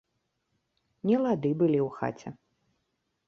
Нелады былі ў хаце.